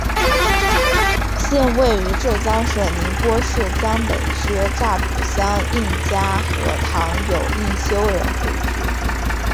现位于浙江省宁波市江北区乍浦乡应家河塘有应修人故居。